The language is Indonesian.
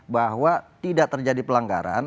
bahwa tidak terjadi pelanggaran